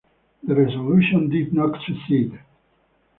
The resolution did not succeed.